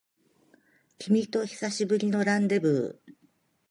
君と久しぶりのランデブー